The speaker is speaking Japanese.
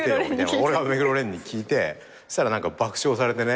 俺が目黒蓮に聞いてしたら何か爆笑されてね。